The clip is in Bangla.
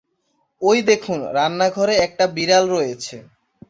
ওই দেখুন! রান্নাঘরে একটা বিড়াল রয়েছে!